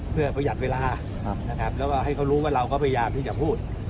เพื่อประหยัดเวลานะครับแล้วก็ให้เขารู้ว่าเราก็พยายามที่จะพูด